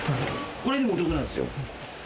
これでもお得なんですよ。